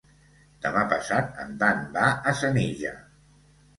Demà passat en Dan va a Senija.